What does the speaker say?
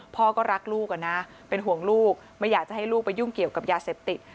พ่อก็รักลูกนะเป็นห่วงลูกไม่อยากจะให้ลูกไปยุ่งเกี่ยวกับยาเสพติด